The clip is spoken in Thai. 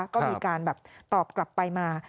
ก็มีการแบบตอบกลับไปมา